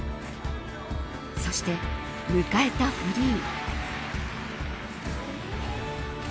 そして、迎えたフリー。